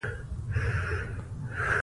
په افغانستان کې د یاقوت تاریخ اوږد دی.